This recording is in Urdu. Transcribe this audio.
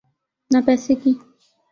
نہ پیسے کی۔